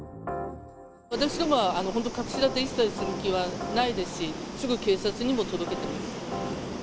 私どもは本当、隠し立て一切する気はないですし、すぐ警察にも届けてます。